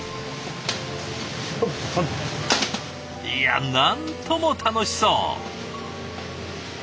いやなんとも楽しそう。